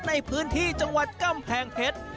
ในพื้นที่จังหวัดกำแพงเพชร